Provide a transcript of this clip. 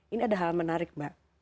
ini ada hal menarik mbak